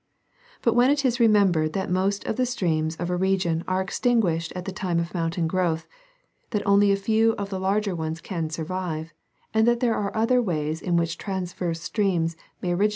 But when it is remembered that most of the streams of a region are extinguished at the time of mountain growth, that only a few of the larger ones can survive, and that there are other ways in which transverse streams may originate